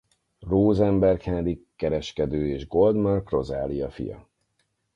Rosenberg Henrik kereskedő és Goldmark Rozália fia.